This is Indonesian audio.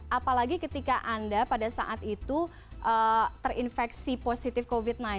apalagi ketika anda pada saat itu terinfeksi positif covid sembilan belas